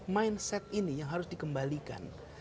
mindset ini yang harus dikembalikan